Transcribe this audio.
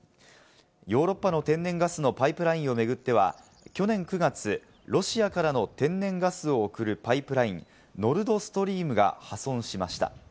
ヨーロッパの天然ガスのパイプラインを巡っては去年９月、ロシアからの天然ガスを送るパイプライン、ノルドストリームが破損しました。